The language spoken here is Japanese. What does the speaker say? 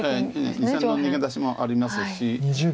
２線の逃げ出しもありますし。